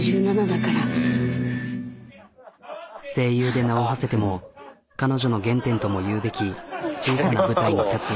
やっぱり声優で名をはせても彼女の原点ともいうべき小さな舞台に立つ。